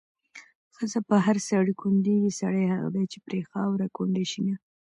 ښځه په هر سړي کونډيږي، سړی هغه دی چې پرې خاوره کونډه شينه